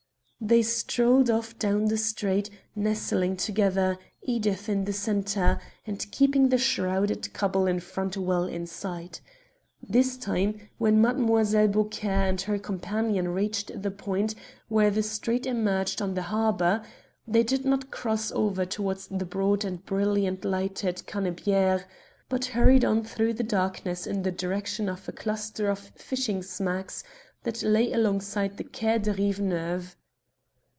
They strolled off down the street, nestling together, Edith in the centre, and keeping the shrouded couple in front well in sight. This time, when Mademoiselle Beaucaire and her companion reached the point where the street emerged on to the harbour, they did not cross over towards the broad and brilliantly lighted Cannebiere, but hurried on through the darkness in the direction of a cluster of fishing smacks that lay alongside the Quai de Rive Neuve.